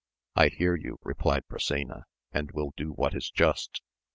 I hear you, replied Brisena, and will do what is just.